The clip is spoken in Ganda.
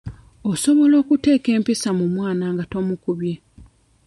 Osobola okuteeka empisa mu mwana nga tomukubye.